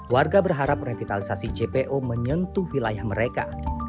warga berharap revitalisasi jpo menyentuh wilayah mereka